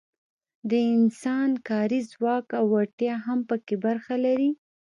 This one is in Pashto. د انسان کاري ځواک او وړتیا هم پکې برخه لري.